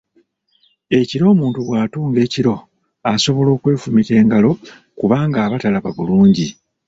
Ekiro omuntu bw'atunga ekiro asobola okwefumita engalo kubanga aba talaba bulungi.